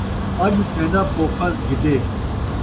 اَڄ کین٘دا پوکھا گِھدّے